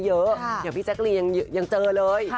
เดี๋ยวพี่แจ๊กรีนยังเจอเลย